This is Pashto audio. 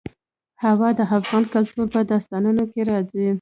هوا د افغان کلتور په داستانونو کې راځي.